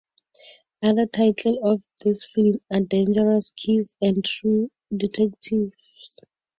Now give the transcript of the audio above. Other titles for this film are "Dangerous Kiss" and "True Detective.